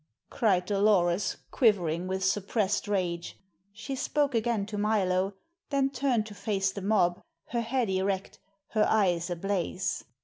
cried Dolores, quivering with suppressed rage. She spoke again to Milo, then turned to face the mob, her head erect, her eyes ablaze.